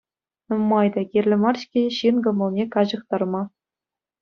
Нумай та кирлӗ мар-ҫке ҫын кӑмӑлне каҫӑхтарма!